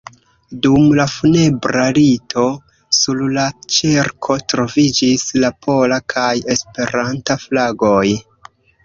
Dum la funebra rito, sur la ĉerko troviĝis la pola kaj Esperanta flagoj.